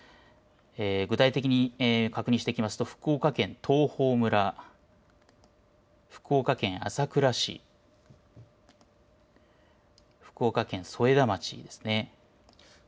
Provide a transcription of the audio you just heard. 具体的に確認していきますと福岡県東峰村、福岡県朝倉市、福岡県添田町ですね。